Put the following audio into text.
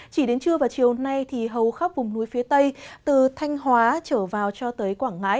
chỉ đến trưa và chiều nay thì hầu khắp vùng núi phía tây từ thanh hóa trở vào cho tới quảng ngãi